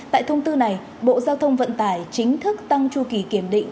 tại thông tư này bộ giao thông vận tải chính thức tăng chu kỳ kiểm định